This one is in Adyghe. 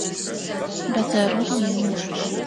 Бадзэрыр ины.